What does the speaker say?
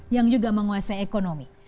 yang juga menguasai ekonomi